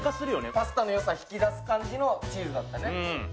パスタのよさ引き出す感じのチーズだったね。